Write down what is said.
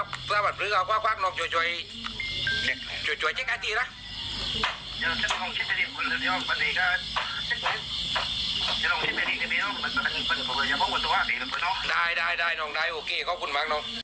ค่ะได้ได้ได้โอเคขอบคุณมากนแน่ว